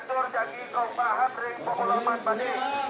pembelajar yang berpengalaman